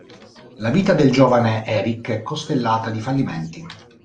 La vita del giovane Eric è costellata di fallimenti.